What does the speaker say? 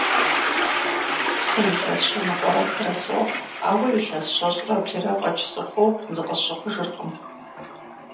Сэ илъэс щэныкъуэрэ хырэ сохъу, ауэ илъэс щэщӏрэ блырэ фӏэкӏ сыхъуу зыкъысщыхъужыркъым.